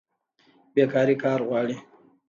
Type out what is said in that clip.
بیکاري کار غواړي